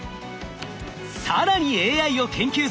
更にＡＩを研究すれば